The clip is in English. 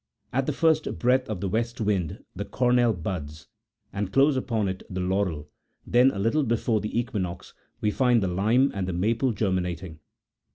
At the first breath of the west wind82 the cornel buds, and close upon it the laurel ; then, a little before the equinox, we find the lime and the maple germi nating.